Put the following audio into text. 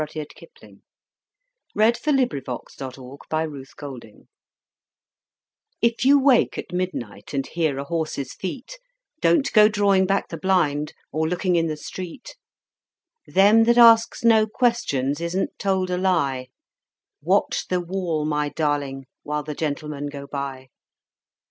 JM Embroideries & Collectibles A Smuggler's Song By Rudyard Kipling If you wake at midnight, and hear a horse's feet, Don't go drawing back the blind, or looking in the street. Them that ask no questions isn't told a lie. Watch the wall, my darling, while the Gentlemen go by!